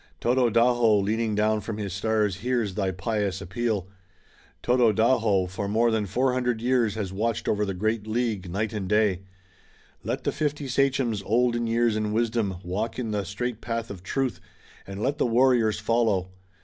Tododaho leaning down from his star hears thy pious appeal! Tododaho, for more than four hundred years, has watched over the great League, night and day! Let the fifty sachems, old in years and wisdom, walk in the straight path of truth, and let the warriors follow!